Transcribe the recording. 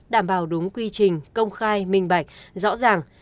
đảm bảo đúng quy trình công khai minh bạch rõ ràng